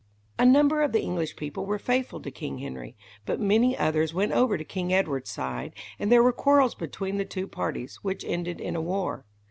A number of the English people were faithful to King Henry, but many others went over to King Edward's side, and there were quarrels between the two parties, which ended in a war.